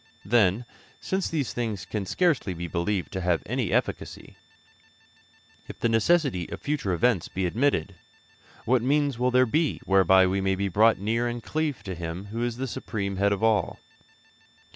Then, since these things can scarcely be believed to have any efficacy, if the necessity of future events be admitted, what means will there be whereby we may be brought near and cleave to Him who is the supreme Head of all?